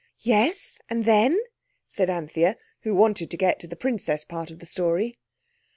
"Yes, and then?" said Anthea, who wanted to get to the princess part of the story.